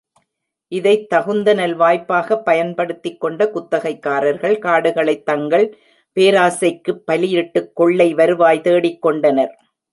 இதைத் தகுந்த நல்வாய்ப்பாகப் பயன்படுத்திக் கொண்ட குத்தகைக்காரர்கள், காடுகளைத் தங்கள் பேராசைக்குப் பலியிட்டுக் கொள்ளை வருவாய் தேடிக்கொண்டனர்.